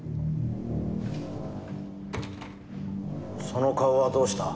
その顔はどうした？